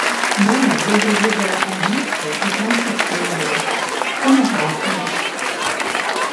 Мама добра ведала англійскую і французскую мовы, стэнаграфію.